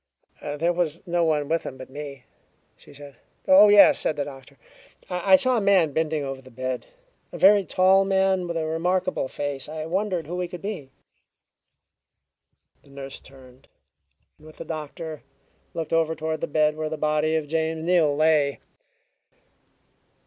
"There was no one with him but me," she said. "Oh, yes," said the doctor. "I saw a man bending over the bed a very tall man with a remarkable face. I wondered who he could be." The nurse turned, and with the doctor looked over toward the bed where the body of James Neal lay.